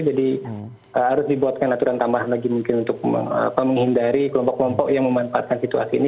jadi harus dibuatkan aturan tambahan lagi mungkin untuk menghindari kelompok kelompok yang memanfaatkan situasi ini